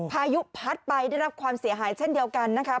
พายุพัดไปได้รับความเสียหายเช่นเดียวกันนะคะ